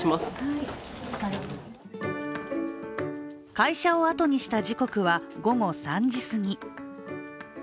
会社をあとにした時刻は午後３時すぎ。